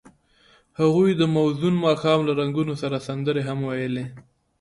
هغوی د موزون ماښام له رنګونو سره سندرې هم ویلې.